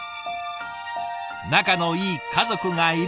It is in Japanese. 仲のいい家族がいる。